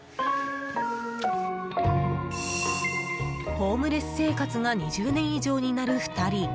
ホームレス生活が２０年以上になる２人。